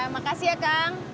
makasih ya kang